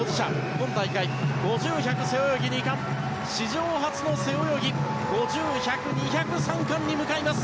今大会５０、１００、背泳ぎ２冠史上初の背泳ぎ５０ｍ１００ｍ、２００ｍ３冠に向かいます